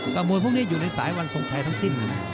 แต่มวยพวกนี้อยู่ในสายวันทรงชัยทั้งสิ้น